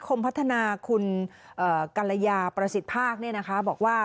คมพัฒนาคุณกัลยาประสิทธิภาคบอกว่า